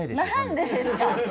何でですか。